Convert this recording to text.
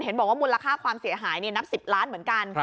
บอกว่ามูลค่าความเสียหายนับ๑๐ล้านเหมือนกัน